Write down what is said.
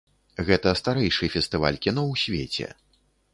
Гэта старэйшы фестываль кіно ў свеце.